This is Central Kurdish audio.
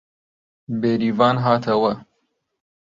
بێریڤان هاتەوە